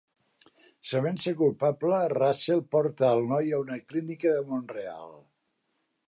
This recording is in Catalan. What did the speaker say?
Sabent-se culpable, Russell porta al noi a una clínica de Mont-real.